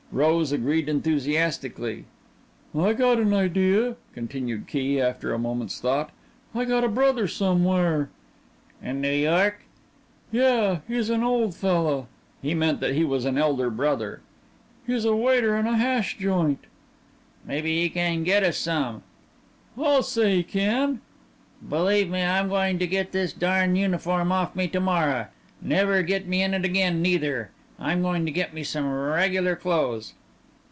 Rose agreed enthusiastically. "I got an idea," continued Key, after a moment's thought, "I got a brother somewhere." "In New York?" "Yeah. He's an old fella." He meant that he was an elder brother. "He's a waiter in a hash joint." "Maybe he can get us some." "I'll say he can!" "B'lieve me, I'm goin' to get this darn uniform off me to morra. Never get me in it again, neither. I'm goin' to get me some regular clothes."